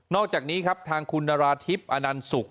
อกจากนี้ครับทางคุณนราธิบอนันสุก